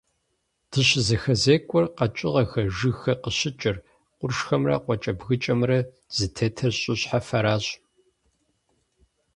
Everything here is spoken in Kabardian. ДыщызэхэзекӀуэр, къэкӀыгъэхэр, жыгхэр къыщыкӀыр, къуршхэмрэ къуакӀэ-бгыкӀэхэмрэ зытетыр щӀы щхьэфэращ.